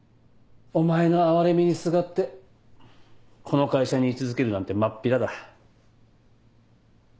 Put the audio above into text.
お前の哀れみにすがってこの会社に居続けるなんてまっぴらだ。